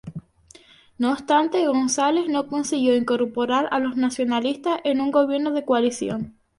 No obstante, González no consiguió incorporar a los nacionalistas en un gobierno de coalición.